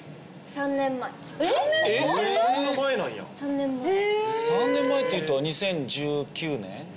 ３年前３年前っていうと２０１９年？